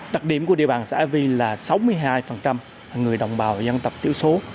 đặc điểm của địa bàn xã e là sáu mươi hai là người đồng bào dân tộc thiểu số